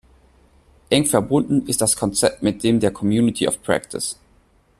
Eng verbunden ist das Konzept mit dem der Community of Practice.